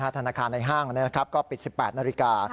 ธนาคารในห้างก็ปิด๑๘นาฬิกา